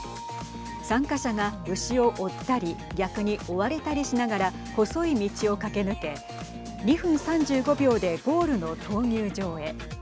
参加者が、牛を追ったり逆に追われたりしながら細い道を駆け抜け、２分３５秒でゴールの闘牛場へ。